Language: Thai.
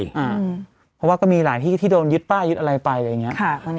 เพราะว่าก็มีหลายที่ที่โดนยึดป้ายยึดอะไรไปอะไรอย่างนี้